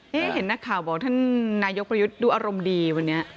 นี่เห็นนักข่าวบอกท่านนายกประยุทธ์ดูอารมณ์ดีวันนี้